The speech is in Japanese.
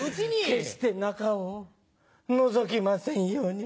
決して中をのぞきませんように。